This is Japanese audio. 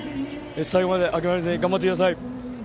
最後まで諦めずに頑張ってください。